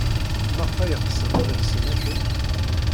Maɣef ay ɣsen ad lsen akken?